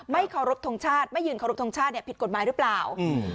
เคารพทงชาติไม่ยืนเคารพทงชาติเนี่ยผิดกฎหมายหรือเปล่า